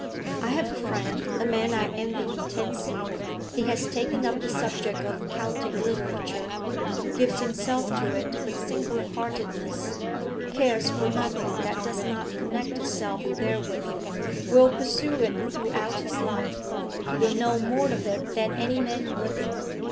I have a friend, a man I envy intensely; he has taken up the subject of Celtic literature; gives himself to it with single heartedness, cares for nothing that does not connect itself therewith; will pursue it throughout his life; will know more of it than any man living.